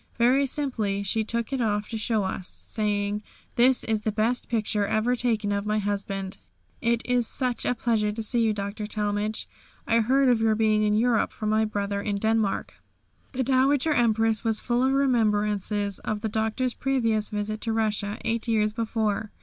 Very simply she took it off to show to us, saying, "This is the best picture ever taken of my husband. It is such a pleasure to see you, Dr. Talmage, I heard of your being in Europe from my brother in Denmark." The Dowager Empress was full of remembrances of the Doctor's previous visit to Russia, eight years before.